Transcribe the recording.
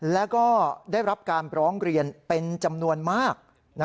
แล้วก็ได้รับการร้องเรียนเป็นจำนวนมาก